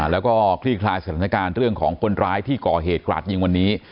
แล้วก็คลี่คลายสถานการณ์เรื่องของคนร้ายที่ก่อเหตุกราดยิงวันนี้